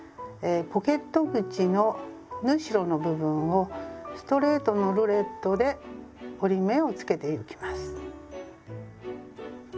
ポケット口の縫い代の部分をストレートのルレットで折り目をつけてゆきます。